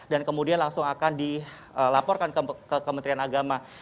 dan kemudian langsung akan dilaporkan ke kementerian agama